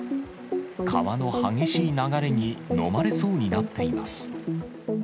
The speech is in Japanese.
川の激しい流れにのまれそうになっています。